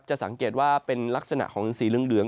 จะสังเกตว่าเป็นลักษณะของสีเหลือง